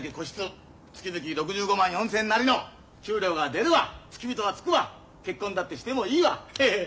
月々６５万４，０００円なりの給料が出るわ付き人はつくわ結婚だってしてもいいわへへっ。